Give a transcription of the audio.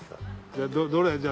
じゃあどれ？